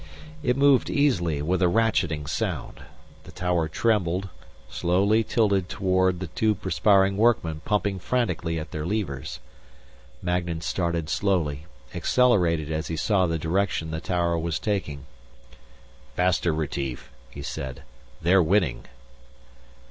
It moved easily, with a ratcheting sound. The tower trembled, slowly tilted toward the two perspiring workmen pumping frantically at their levers. Magnan started slowly, accelerated as he saw the direction the tower was taking. "Faster, Retief," he said. "They're winning."